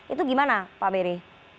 itu gimana pak beri